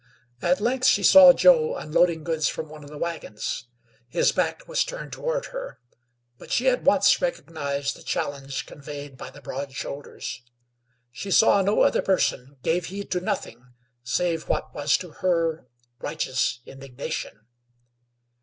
At length she saw Joe unloading goods from one of the wagons; his back was turned toward her, but she at once recognized the challenge conveyed by the broad shoulders. She saw no other person; gave heed to nothing save what was to her, righteous indignation.